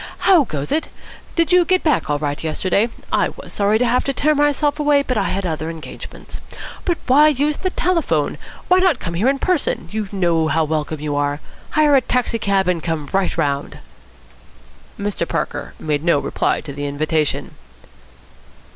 How goes it? Did you get back all right yesterday? I was sorry to have to tear myself away, but I had other engagements. But why use the telephone? Why not come here in person? You know how welcome you are. Hire a taxi cab and come right round." Mr. Parker made no reply to the invitation.